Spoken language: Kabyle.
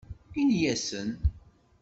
Ini-asen.